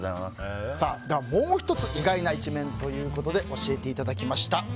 ではもう１つ意外な一面ということで教えていただきました。